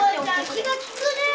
気が利くねえ。